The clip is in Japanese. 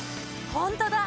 ホントだ！